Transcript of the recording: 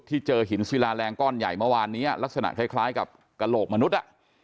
เจอหินศิลาแรงก้อนใหญ่เมื่อวานนี้ลักษณะคล้ายกับกระโหลกมนุษย์